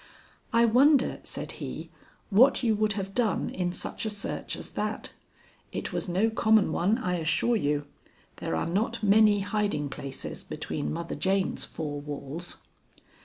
"I wonder," said he, "what you would have done in such a search as that. It was no common one, I assure you. There are not many hiding places between Mother Jane's four walls."